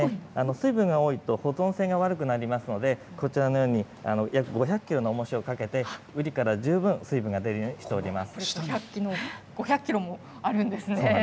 水分が多いと保存性が悪くなりますので、こちらのように、約５００キロのおもしをかけて、ウリから十分水分が出５００キロもあるんですね。